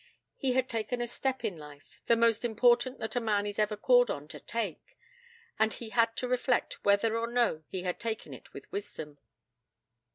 He had taken a step in life, the most important that a man is ever called on to take, and he had to reflect whether or no he had taken it with wisdom.